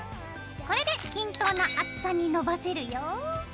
これで均等な厚さにのばせるよ。